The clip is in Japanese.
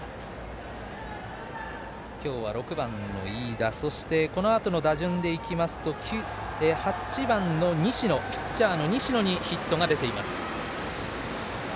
今日は６番の飯田そして、このあとの打順でいきますと８番のピッチャーの西野のヒットが出ています。